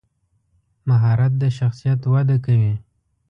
مهارت د شخصیت وده کوي.